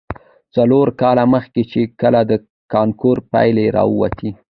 څلور کاله مخې، چې کله د کانکور پايلې راوتې.